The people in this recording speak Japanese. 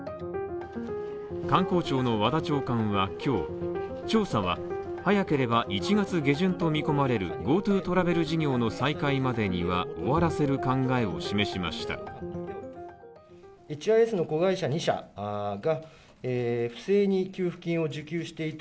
観光庁の和田長官は今日調査は早ければ１月下旬と見込まれるＧｏＴｏトラベル事業の再開までには終わらせる考えを示しました。